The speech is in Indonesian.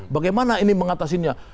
bagaimana ini mengatasinya